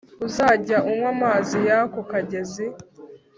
Uzajya unywa amazi y ako kagezi